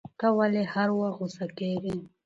ته ولي هر وخت غوسه کیږی